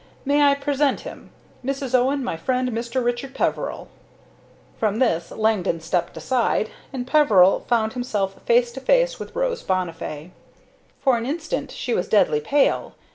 May I present him? Mrs. Owen, my friend Mr. Richard Peveril." With this Langdon stepped aside, and Peveril found himself face to face with Rose Bonnifay. For an instant she was deadly pale.